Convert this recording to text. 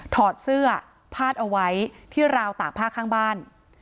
ถอดเสื้อผ้าเอาไว้ที่ราวตากผ้าข้างบ้าน